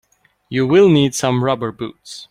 You will need some rubber boots.